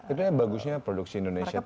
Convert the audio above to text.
itu bagusnya produksi indonesia itu